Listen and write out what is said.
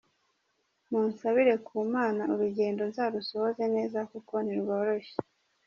Munsabire ku Mana urugendo nzarusoze neza kuko ntirworoshye.